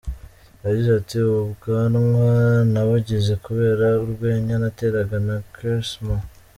Yagize ati “Ubu bwanwa nabugize kubera urwenya nateraga na Quaresma.